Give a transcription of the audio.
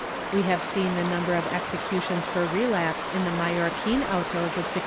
We have seen the number of exe cutions for relapse in the Mallorquin autos of 1691.